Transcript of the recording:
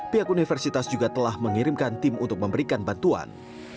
pihak universitas juga telah mengirimkan tim untuk memberikan bantuan